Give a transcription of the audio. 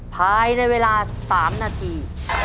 ภายในเวลา๓นาที